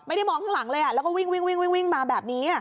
ไม่ได้มองข้างหลังเลยอ่ะแล้วก็วิ่งวิ่งวิ่งวิ่งมาแบบนี้อ่ะ